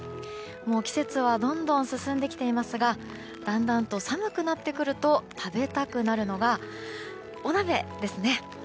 季節はどんどん進んできていますがだんだんと寒くなってくると食べたくなるのがお鍋ですね。